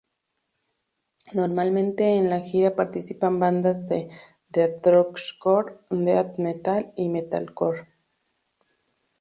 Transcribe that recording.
Normalmente en la gira participan bandas de deathcore, death Metal y metalcore.